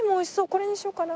これにしようかな。